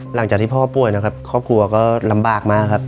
หลังจากที่พ่อป่วยนะครับครอบครัวก็ลำบากมากครับ